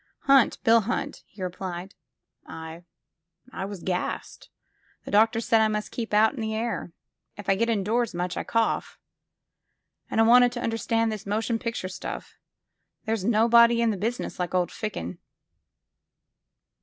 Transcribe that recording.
Hunt— Bill Hunt," he replied. ''I— I was gassed. The doctors said I must keep out in the air. If I get indoors much, I cough. And I wanted to under stand this motion picture stuff — ^there's nobody in the business like old Ficken."